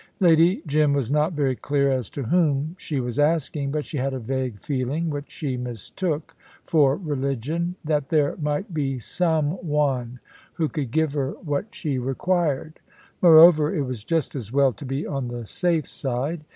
Lady Jim was not very clear as to whom she was asking, but she had a vague feeling, which she mistook for religion, that there might be Some One who could give her what she required. Moreover, it was just as well to be on the safe side.